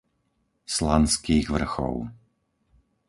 Slanských vrchov